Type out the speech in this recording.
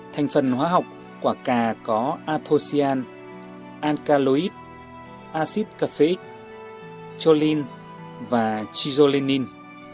thành phần hóa học của cà có athocyan alkaloid acid caffeic choline và chisolenine